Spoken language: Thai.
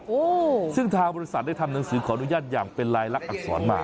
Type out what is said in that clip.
โอ้โหซึ่งทางบริษัทได้ทำหนังสือขออนุญาตอย่างเป็นลายลักษณอักษรมา